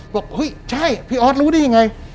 บอกเฮ้ยใช่พี่ออสรู้ได้ยังไง